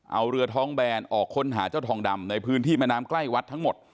เอาเรือท้องแบนออกค้นหาเจ้าทองดำในพื้นที่แม่น้ำใกล้วัดทั้งหมด